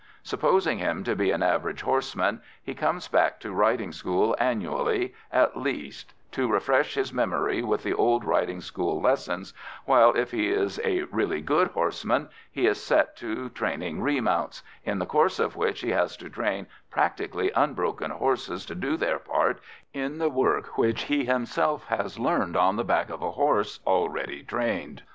Supposing him to be an average horseman, he comes back to riding school annually, at least, to refresh his memory with the old riding school lessons, while, if he is a really good horseman, he is set to training remounts, in the course of which he has to train practically unbroken horses to do their part in the work which he himself has learned on the back of a horse already trained.